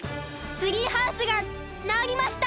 ツリーハウスがなおりました！